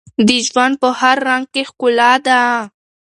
د ژوند په هر رنګ کې ښکلا ده.